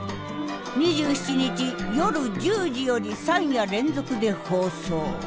２７日夜１０時より３夜連続で放送。